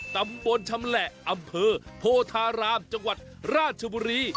ตำบลชำแหละอำเภอโพธารามจังหวัดราชบุรี